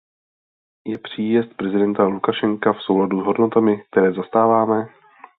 Je příjezd prezidenta Lukašenka v souladu s hodnotami, které zastáváme?